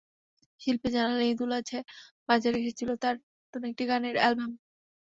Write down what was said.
শিল্পী জানালেন, ঈদুল আজহায় বাজারে এসেছিল তাঁর নতুন একটি গানের অ্যালবাম।